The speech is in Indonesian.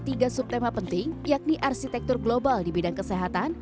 tiga subtema penting yakni arsitektur global di bidang kesehatan